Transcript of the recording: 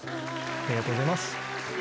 ありがとうございます。